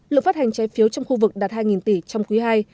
lượng phát hành trái phiếu trong khu vực đạt hai tỷ trong quý ii